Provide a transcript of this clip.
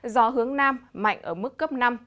gió hướng nam mạnh ở mức cấp năm